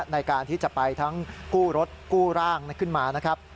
ในการที่จะไปทั้งกู้รถกู้ร่างขึ้นมานะครับ